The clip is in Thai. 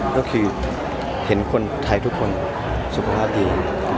ก็คือเห็นคนไทยทุกคนสุขภาพดี